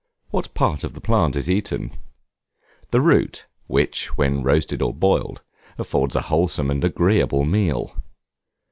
What part of the plant is eaten? The root, which, when roasted or boiled, affords a wholesome and agreeable meal.